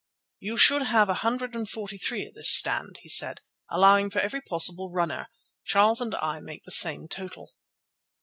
"You should have a hundred and forty three at this stand," he said, "allowing for every possible runner. Charles and I make the same total."